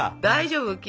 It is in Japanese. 大丈夫？